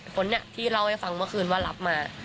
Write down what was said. คนนี้ที่เล่าให้ฟังเมื่อคืนว่ารับมา